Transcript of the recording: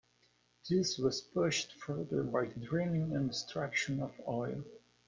This was pushed further by the drilling and extraction of oil.